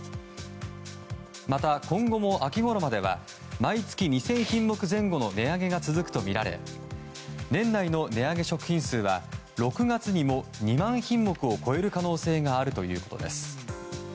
また、今後も秋ごろまでは毎月２０００品目前後の値上げが続くとみられ年内の値上げ食品数は、６月にも２万品目を超える可能性があるということです。